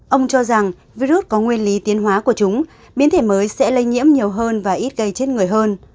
ông cho rằng virus có nguyên lý tiến hóa của chúng biến thể mới sẽ lây nhiễm nhiều hơn và ít gây chết người hơn